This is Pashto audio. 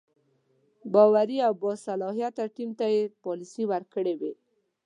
باوري او باصلاحیته ټیم ته یې پالیسي ورکړې وای.